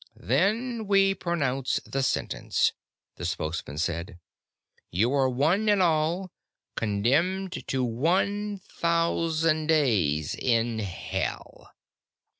"Then we pronounce the sentence," the Spokesman said. "You are one and all condemned to one thousand days in Hell."